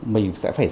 mình sẽ phải xem